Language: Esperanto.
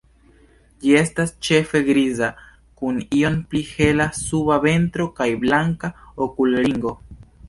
Ĝi estas ĉefe griza, kun iom pli hela suba ventro kaj blanka okulringo.